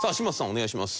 お願いします。